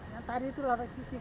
yang tadi itu latihan fisik